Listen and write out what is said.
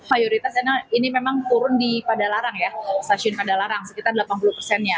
mayoritas ini memang turun di pada larang ya stasiun pada larang sekitar delapan puluh nya